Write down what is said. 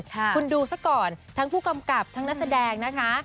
คุณดูซะก่อนทั้งผู้กำกับทั้งนักแสดงนะคะ